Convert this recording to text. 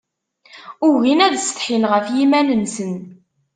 Ugin ad setḥin ɣef yiman-nsen.